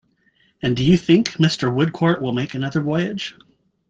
And do you think Mr. Woodcourt will make another voyage?